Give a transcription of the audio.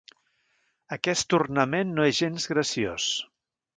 Aquest ornament no és gens graciós.